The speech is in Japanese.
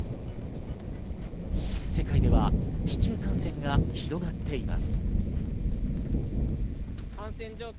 世界では市中感染が広がっています。